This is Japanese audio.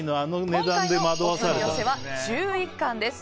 今回のお取り寄せは１１貫です。